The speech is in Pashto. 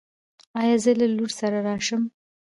ایا زه له لور سره راشم؟